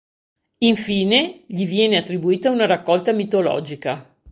Infine, gli viene attribuita una "Raccolta mitologica".